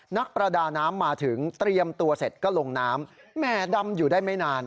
นักประดาน้ำมาถึงเตรียมตัวเสร็จก็ลงน้ำแหม่ดำอยู่ได้ไม่นาน